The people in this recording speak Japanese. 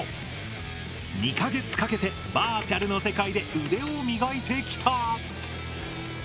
２か月かけてバーチャルの世界で腕を磨いてきた。